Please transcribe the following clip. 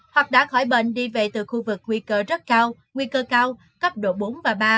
hoặc đã khỏi bệnh đi về từ khu vực nguy cơ rất cao nguy cơ cao cấp độ bốn và ba